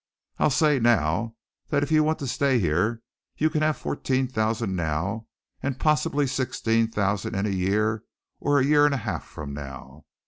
I'll say now that if you want to stay here you can have fourteen thousand now and possibly sixteen thousand in a year or a year and a half from now.